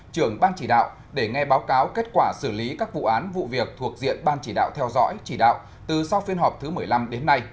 trưởng ban chỉ đạo để nghe báo cáo kết quả xử lý các vụ án vụ việc thuộc diện ban chỉ đạo theo dõi chỉ đạo từ sau phiên họp thứ một mươi năm đến nay